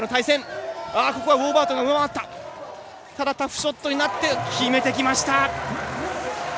タフショットになって決めてきました。